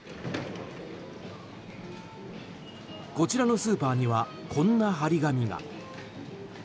こちらのスーパーにはこんな貼り紙が。